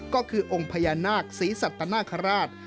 ก็คือองค์พญานาคศรีสัตนาคาราช